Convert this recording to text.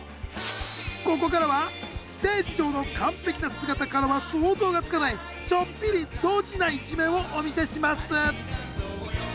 ここからはステージ上の完璧な姿からは想像がつかないちょっぴりドジな一面をお見せします